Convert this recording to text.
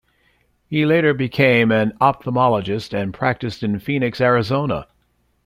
He later became an ophthalmologist, and practiced in Phoenix, Arizona.